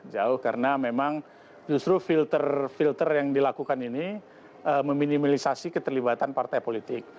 jauh karena memang justru filter filter yang dilakukan ini meminimalisasi keterlibatan partai politik